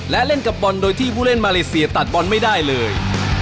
และเล่นกับบอลโดยที่ผู้เล่นมาเลเซียตัดบอลไม่ได้เลย